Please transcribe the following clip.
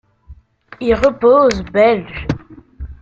Y reposent belges.